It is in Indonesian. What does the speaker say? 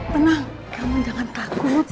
tenang kamu jangan takut